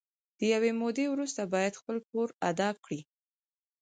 له یوې مودې وروسته باید خپل پور ادا کړي